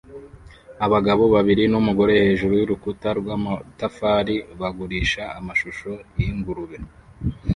Abagabo babiri numugore hejuru yurukuta rwamatafari bagurisha amashusho yingurube